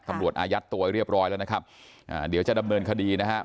อายัดตัวไว้เรียบร้อยแล้วนะครับอ่าเดี๋ยวจะดำเนินคดีนะครับ